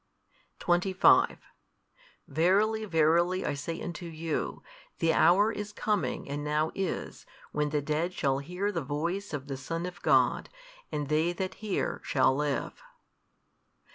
|270 25 Verily verily I say unto you, the hour is coming and now is when the dead shall hear the voice of the Son of God, and they that hear shall live.